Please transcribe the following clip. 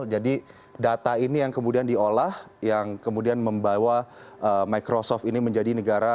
jadi data ini yang kemudian diolah yang kemudian membawa microsoft ini menjadi negara